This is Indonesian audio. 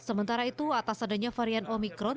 hai sementara itu atas adanya varian omikron